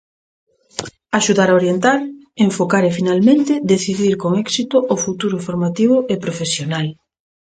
Axudar a orientar, enfocar e finalmente decidir con éxito o futuro formativo e profesional.